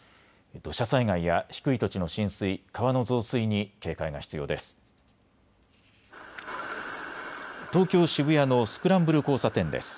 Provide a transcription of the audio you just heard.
土砂災害や低い土地の浸水、川の増水に警戒が必要です。